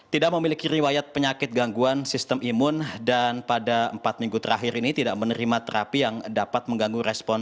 tidak memiliki riwayat penyakit gangguan sistem imun dan pada empat minggu terakhir ini tidak menerima terapi yang dapat mengganggu respon